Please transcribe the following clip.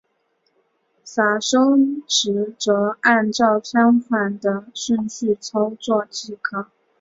撤收时则按照相反的顺序操作即可。